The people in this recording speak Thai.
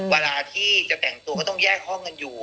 เวลาที่จะแต่งตัวก็ต้องแยกห้องกันอยู่